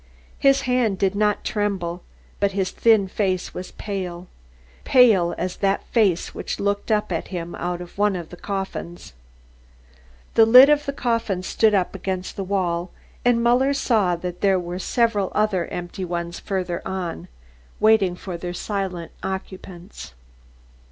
His hand did not tremble but his thin face was pale pale as that face which looked up at him out of one of the coffins. The lid of the coffin stood up against the wall and Muller saw that there were several other empty ones further on, waiting for their silent occupants.